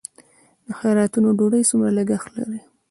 د خیراتونو ډوډۍ څومره لګښت لري؟